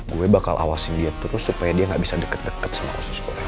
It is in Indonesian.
gue bakal awasin dia terus supaya dia gak bisa deket deket sama khusus orang